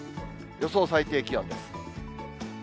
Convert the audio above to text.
予想最低気温です。